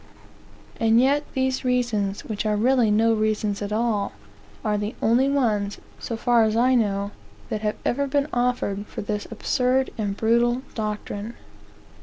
And yet these reasons, which are really no reasons at all, are the only ones, so far as I know, that have ever been offered for this absurd and brutal doctrine.